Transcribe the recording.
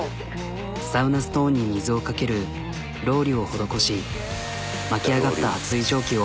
サウナストーンに水をかけるロウリュを施し巻き上がった熱い蒸気を。